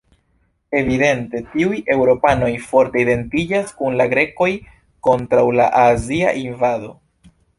Evidente tiuj eŭropanoj forte identiĝas kun la grekoj kontraŭ la azia invado.